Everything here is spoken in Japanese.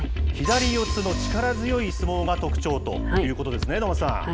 左四つの力強い相撲が特徴ということですね、能町さん。